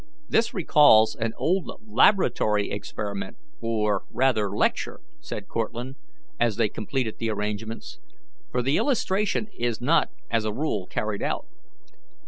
"This recalls an old laboratory experiment, or rather lecture," said Cortlandt, as they completed the arrangements, "for the illustration is not as a rule carried out.